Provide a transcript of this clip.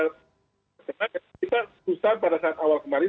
karena kita susah pada saat awal kemarin